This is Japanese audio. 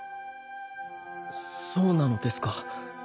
そうなのですか。